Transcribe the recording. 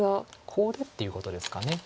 コウでっていうことですか。